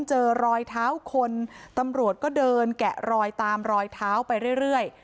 เจอรอยเท้าคนตำรวจก็เดินแกะรอยตามรอยเท้าไปเรื่อย